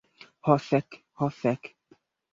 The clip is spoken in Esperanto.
Ho fek. Ho fek.